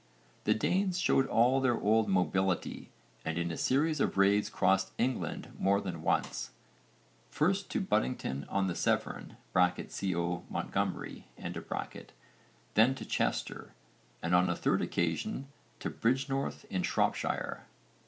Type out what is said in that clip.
The Danes showed all their old mobility and in a series of raids crossed England more than once first to Buttington on the Severn (co. Montgomery), then to Chester, and on a third occasion to Bridgenorth in Shropshire.